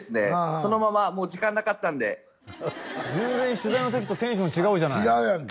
そのままもう時間なかったんで全然取材の時とテンション違うじゃない違うやんけ